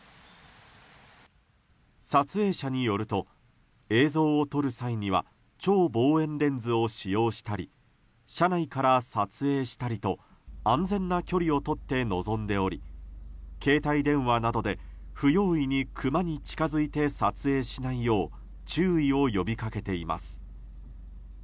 撮影者によると映像を撮る際には超望遠レンズを使用したり車内から撮影したりと安全な距離をとって臨んでおり携帯電話などで不用意にクマに近づいて撮影しないよう注意を呼びかけています。